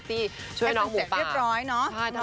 ที่ช่วยน้องหูป่าให้มันเห็ดเรียบร้อยเนอะ